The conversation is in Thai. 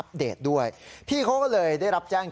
พระขู่คนที่เข้าไปคุยกับพระรูปนี้